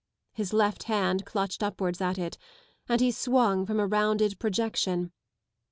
His left hand clutched upwards at it, and he swung from a rounded projection.